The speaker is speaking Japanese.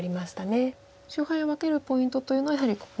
勝敗を分けるポイントというのはやはりここの。